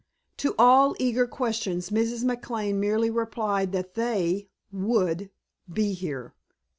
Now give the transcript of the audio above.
To all eager questions Mrs. McLane merely replied that "they" would "be here."